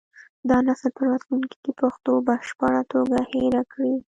دا نسل به راتلونکي کې پښتو په بشپړه توګه هېره کړي.